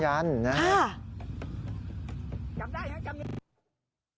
จำได้ปะยังจำไม่ได้ใช่มะ